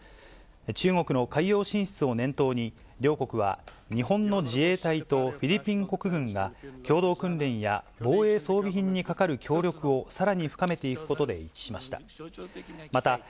中国の海洋進出を念頭に、両国は日本の自衛隊とフィリピン国軍が、共同訓練や防衛装備品にかかる協力をさらに深めていくことで一致しました。